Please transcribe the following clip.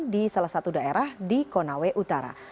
di salah satu daerah di konawe utara